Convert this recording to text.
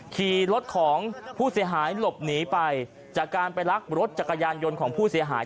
ขี่รถของผู้เสียหายหลบหนีไปจากการไปลักรถจักรยานยนต์ของผู้เสียหาย